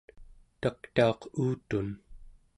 taktauq uutun